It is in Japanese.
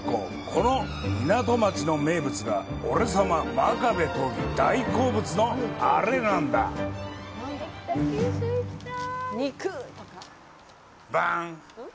この港町の名物が俺様、真壁刀義大好物のアレなんだ！バーン！